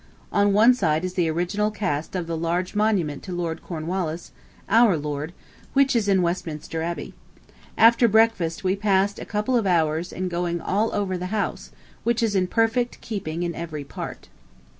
On one side is the original cast of the large monument to Lord Cornwallis (our lord) which is in Westminster Abbey. After breakfast we passed a couple of hours in going all over the house, which is in perfect keeping in every part.